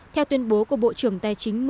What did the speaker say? theo tuyên bố của bộ trưởng tài chính